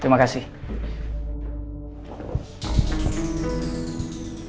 terima kasih ya